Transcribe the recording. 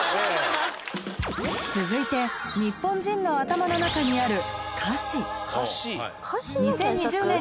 続いてニッポン人の頭の中にある